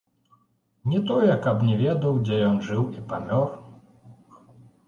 Не тое, каб не ведаў, дзе ён жыў і памёр.